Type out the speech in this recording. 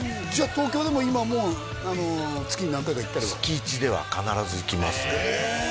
東京でも今も月に何回か行ったりは月１では必ず行きますねへえ！